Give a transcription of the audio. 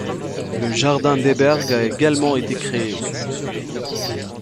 Le jardin Debergue a également été créé.